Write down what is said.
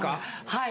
はい。